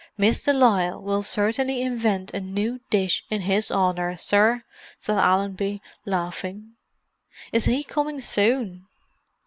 "Miss de Lisle will certainly invent a new dish in his honour, sir," said Allenby, laughing. "Is he coming soon?"